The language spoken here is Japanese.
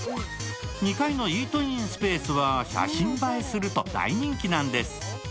２階のイートインスペースは写真映えすると大人気なんです。